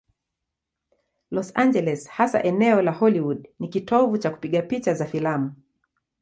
Los Angeles, hasa eneo la Hollywood, ni kitovu cha kupiga picha za filamu.